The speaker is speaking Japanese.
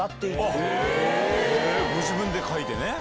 ご自分で描いてね。